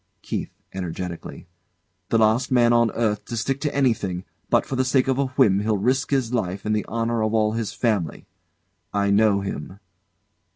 KEITH. [Energetically] The last man on earth to stick to anything! But for the sake of a whim he'll risk his life and the honour of all his family. I know him.